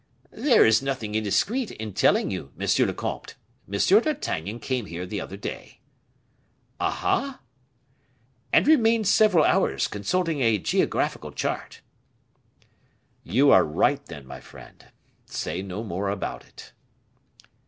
"There is nothing indiscreet in telling you, monsieur le comte, M. d'Artagnan came here the other day " "Aha?" "And remained several hours consulting a geographical chart." "You are right, then, my friend; say no more about it."